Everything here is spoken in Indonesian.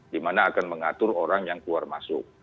dimana akan mengatur orang yang keluar masuk